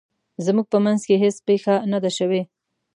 زموږ په مینځ کې هیڅ پیښه نه ده شوې